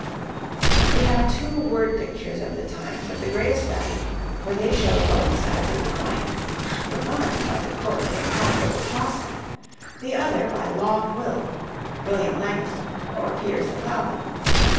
We have two word pictures of the times of the greatest value, for they show both sides of the coin: the one by the courtly and comfortable Chaucer, the other by Long Will William Langland, or Piers the Plowman.